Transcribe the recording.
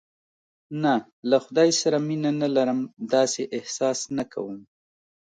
نه، له خدای سره مینه نه لرم، داسې احساس نه کوم.